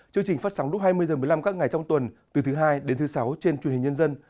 chương trình phát sóng lúc hai mươi h một mươi năm các ngày trong tuần từ thứ hai đến thứ sáu trên truyền hình nhân dân